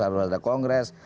harus ada kongres